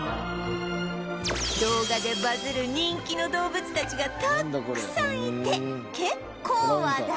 動画でバズる人気の動物たちがたくさんいて結構話題